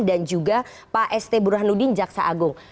dan juga pak st burhanudin jaksa agung